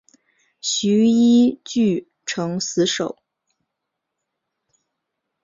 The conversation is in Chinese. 徐揖据城死守。